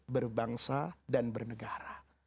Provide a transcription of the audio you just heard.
berbangsa dan bernegara